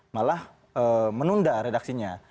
malah menunda redaksinya